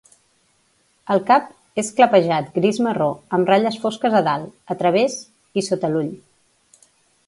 El cap és clapejat gris-marró amb ratlles fosques a dalt, a través i sota l'ull.